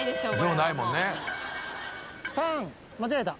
間違えた。